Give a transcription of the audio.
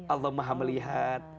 allah maha melihat